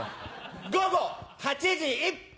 午後８時１分！